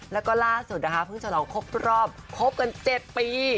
แล้วก็ล่าสุดดีนะคะเพิ่งจฐารองกทีรอบคบกันเจ็บปี